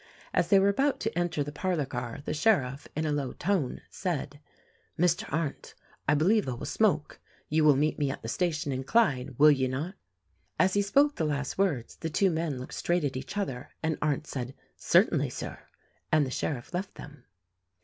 As they were about to enter the parlor car the sheriff, in a low tone, said: "Mr. Arndt, I believe I will smoke — you will meet me at the station in Clyde, will you not?" As he spoke the last words the two men looked straight at each other and Arndt said, "Certainly, Sir," and the sheriff left them.